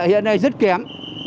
hiện nay rất kém